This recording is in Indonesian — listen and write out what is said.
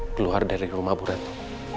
keluar dari rumah bu ratu